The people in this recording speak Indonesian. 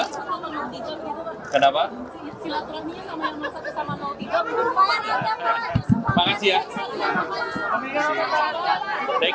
silat rahminya sama yang masak bersama mautidok